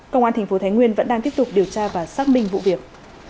công an thành phố thái nguyên vẫn đang tiếp tục điều tra và xác minh vụ việc